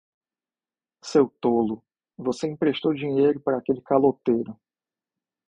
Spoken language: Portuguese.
Seu tolo, você emprestou dinheiro para aquele caloteiro.